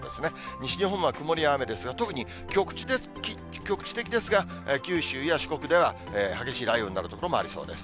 西日本は曇りや雨ですが、特に局地的ですが、九州や四国では激しい雷雨になる所もありそうです。